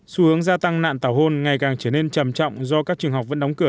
xu hướng gia tăng nạn tảo hôn ngày càng trở nên trầm trọng do các trường học vẫn đóng cửa